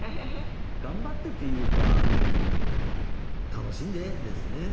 頑張ってっていうか楽しんで！ですね。